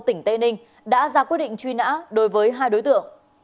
tỉnh tây ninh đã ra quyết định truy nã đối với hai đối tượng